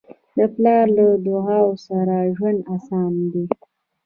د پلار له دعاؤ سره ژوند اسانه دی.